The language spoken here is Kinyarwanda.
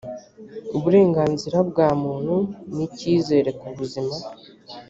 uburenganzira bwa muntu n icyizere ku buzima